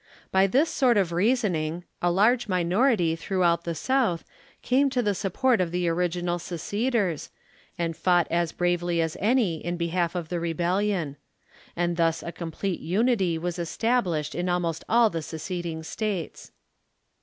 By this sort of reasoning, a large minority throughout the South, came to the support of the original seceders, and fought as bravel3^as any in behalf of the rebellion. And thus a complete unity was esta blished in almost all the seceding States.